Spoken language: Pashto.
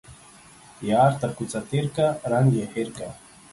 يار تر کوڅه تيرکه ، رنگ يې هير که.